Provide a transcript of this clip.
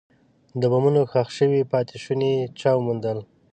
د بمونو ښخ شوي پاتې شوني چا وموندل.